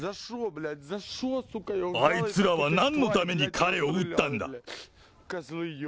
あいつらはなんのために彼を撃ったんだ。